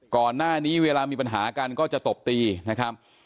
ก่อนหน้านี้เวลามีปัญหากันก็จะตบตีนะครับ